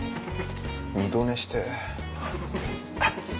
二度寝してぇ。